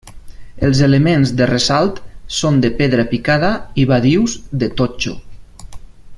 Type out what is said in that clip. Els elements de ressalt són de pedra picada i badius de totxo.